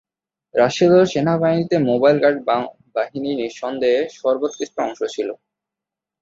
রাশিদুন সেনাবাহিনীতে mobile guard বাহিনী নিঃসন্দেহে সর্বোৎকৃষ্ট অংশ ছিল।